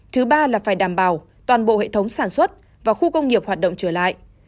thứ ba là phải đảm bảo toàn bộ hệ thống sản xuất và khu công nghiệp hoạt động trở lại